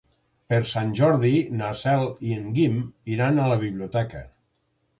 Per Sant Jordi na Cel i en Guim iran a la biblioteca.